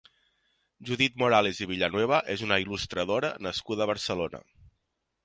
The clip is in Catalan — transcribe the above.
Judit Morales i Villanueva és una il·lustradora nascuda a Barcelona.